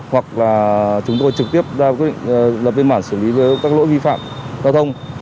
hoặc là chúng tôi trực tiếp ra quyết định lập viên bản xử lý các lỗi vi phạm giao thông